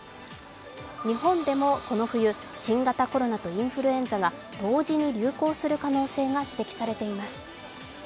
日本でもこの冬、新型コロナとインフルエンザが同時に流行する可能性が指摘されています。